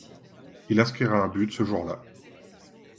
Il inscrira un but ce jour-là.